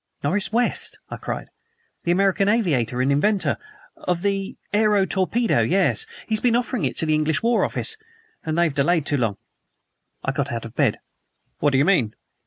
"Norris West!" I cried, "the American aviator and inventor " "Of the West aero torpedo yes. He's been offering it to the English War Office, and they have delayed too long." I got out of bed. "What do you mean?"